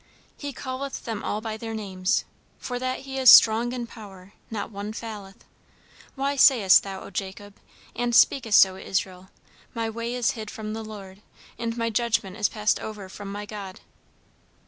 "He calleth them all by their names; for that he is strong in power, not one faileth. Why sayest thou, O Jacob, and speakest, O Israel, My way is hid from the Lord, and my judgment is passed over from my God?"